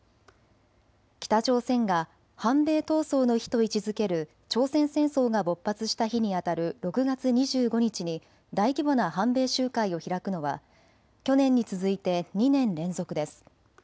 北朝鮮が反米闘争の日と位置づける朝鮮戦争が勃発した日にあたる６月２５日に大規模な反米集会を開くのは去年に続いて２年連続です。